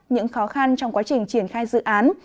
những khó khăn trong quá trình triển khai dự án